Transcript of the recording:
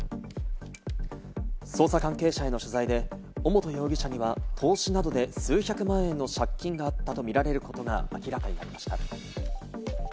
捜査関係者への取材で尾本容疑者には投資などで数百万円の借金があったとみられることが明らかになりました。